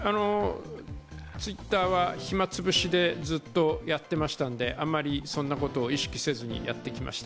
Ｔｗｉｔｔｅｒは暇つぶしでずっとやってましたんであまりそんなことを意識せずにやってきました。